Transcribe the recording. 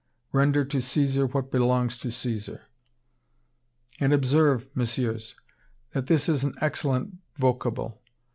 Render to Cæsar what belongs to Cæsar. "And observe, Messieurs, that this is an excellent vocable.